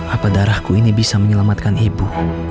apa darahku ini bisa menyelamatkan ibu